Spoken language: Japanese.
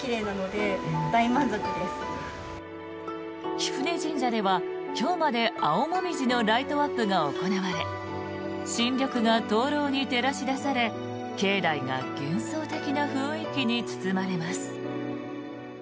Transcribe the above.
貴船神社では、今日まで青モミジのライトアップが行われ新緑が灯ろうに照らし出され境内が幻想的な雰囲気に包まれます。